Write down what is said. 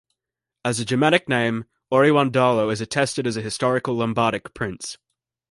As a Germanic name, Auriwandalo is attested as a historical Lombardic prince.